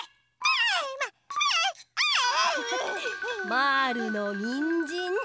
まぁるのにんじん。